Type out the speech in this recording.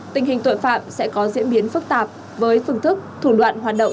tình hình tội phạm sẽ có diễn biến phức tạp với phương thức thủ đoạn hoạt động